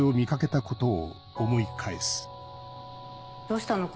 どうしたの？